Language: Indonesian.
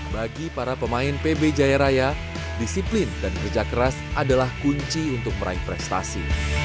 bagi para pemain pb jaya raya disiplin dan kerja keras adalah kunci untuk meraih prestasi